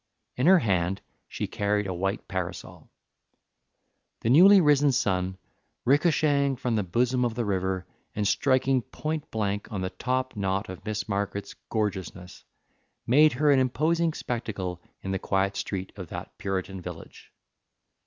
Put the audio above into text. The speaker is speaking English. In her hand she carried a white parasol. The newly risen sun, ricochetting from the bosom of the river and striking point blank on the top knot of Miss Margaret's gorgeousness, made her an imposing spectacle in the quiet street of that Puritan village.